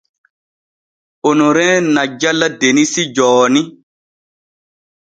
Onomrin na jala Denisi jooni.